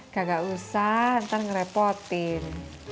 gagak usah nanti ngerepotin